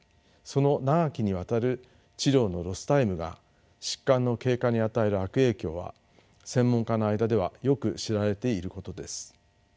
その長きにわたる治療のロスタイムが疾患の経過に与える悪影響は専門家の間ではよく知られていることです。